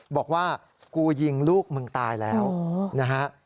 บอกว่ากูยิงลูกมึงตายแล้วนะฮะ